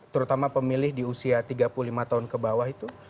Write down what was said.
terutama pemilih di usia tiga puluh lima tahun ke bawah itu